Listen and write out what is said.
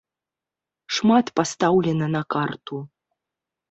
Шмат пастаўлена на карту.